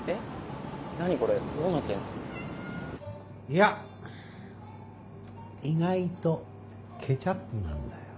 いや意外とケチャップなんだよ。